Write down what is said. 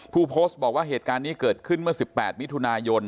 ผู้โพสต์บอกว่าเหตุการณ์นี้เกิดขึ้นเมื่อ๑๘มิถุนายน